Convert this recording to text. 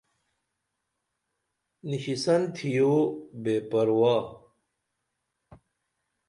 نِشیسن تھیو بے پرواہ